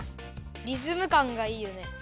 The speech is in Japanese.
リズムかんがいいよね。